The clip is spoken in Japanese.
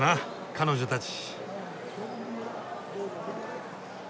彼女たち。